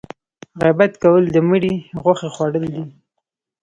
غیبت کول د مړي غوښه خوړل دي